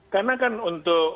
karena kan untuk